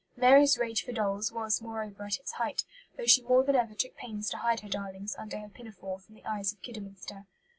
Mary's rage for dolls was, moreover, at its height, though she more than ever took pains to hide her darlings, under her pinafore, from the eyes of Kidderminster.